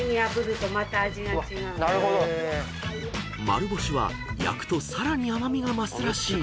［丸干しは焼くとさらに甘味が増すらしい］